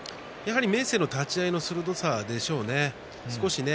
明生の立ち合いの鋭さでしょうね。